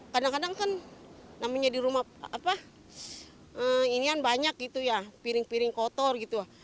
kadang kadang kan namanya di rumah apa ini kan banyak gitu ya piring piring kotor gitu